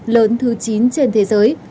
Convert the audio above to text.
lớn thứ chín trên thế giới